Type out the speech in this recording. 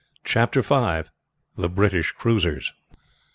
CHAPTER V. THE BRITISH CRUISERS.